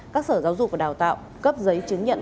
các sở giáo dục và đào tạo cấp giấy chứng nhận